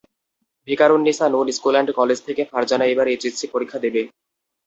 Viqarunnisa Noon school and college থেকে ফারজানা এবার HSC পরীক্ষা দেবে।